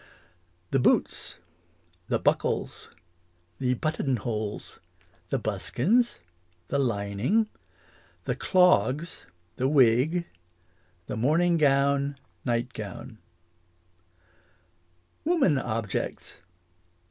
The boots The buckles The buttons holes The buskins The lining The clogs The wig The morning gown, night gown Woman objects.